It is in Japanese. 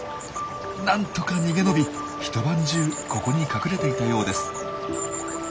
なんとか逃げ延び一晩中ここに隠れていたようです。